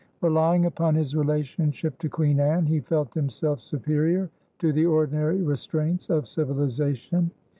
Relying upon his relationship to Queen Anne, he felt himself superior to the ordinary restraints of civilization.